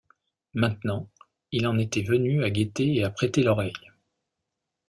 Maintenant il en était venu à guetter et à prêter l’oreille.